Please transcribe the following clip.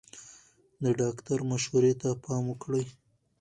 د ډاکټر مشورې ته پام وکړئ.